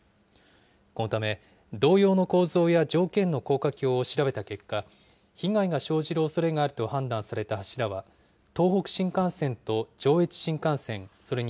このため、同様の構造や条件の高架橋を調べた結果、被害が生じるおそれがあると判断された柱は、東北新幹線と上越新幹線、それに